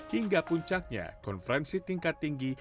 hingga puncaknya konferensi tingkat tinggi